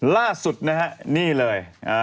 ล่าสุดนะฮะนี่เลย